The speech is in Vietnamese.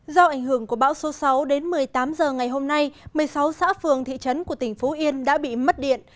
do ảnh hưởng của bão số sáu đến một mươi tám h ngày hôm nay một mươi sáu xã phường thị trấn của tỉnh phú yên đã bị mất điện